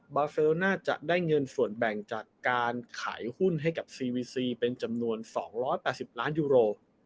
เบาเซโรน่าจะได้เงินส่วนแบ่งจากการขายหุ้นให้กับเป็นจำนวนสองร้อยแปดสิบล้านยูโร